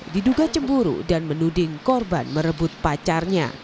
diduga cemburu dan menuding korban merebut pacarnya